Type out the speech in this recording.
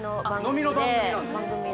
飲みの番組なんで。